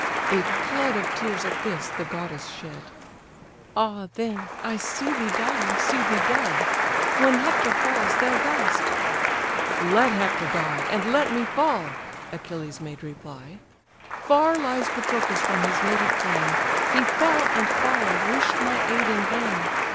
A flood of tears, at this, the goddess shed: "Ah then, I see thee dying, see thee dead! When Hector falls, thou diest."—"Let Hector die, And let me fall! (Achilles made reply) Far lies Patroclus from his native plain! He fell, and falling, wish'd my aid in vain.